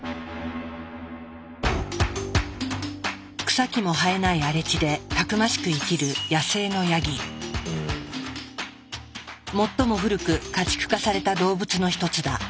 草木も生えない荒れ地でたくましく生きる最も古く家畜化された動物の一つだ。